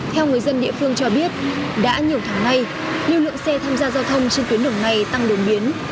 theo người dân địa phương cho biết đã nhiều tháng nay lưu lượng xe tham gia giao thông trên tuyến đường này tăng đột biến